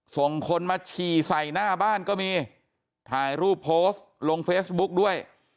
ส่งคนมาฉี่ใส่หน้าบ้านก็มีถ่ายรูปโพสต์ลงเฟซบุ๊กด้วย